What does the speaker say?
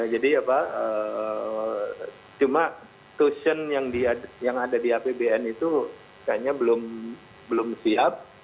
jadi cuma tuition yang ada di apbn itu kayaknya belum siap